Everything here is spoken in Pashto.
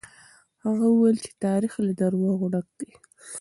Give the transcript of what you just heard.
هغه وويل چې تاريخ له دروغو ډک دی.